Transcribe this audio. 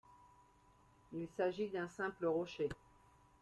Il s'agit d'un simple rocher.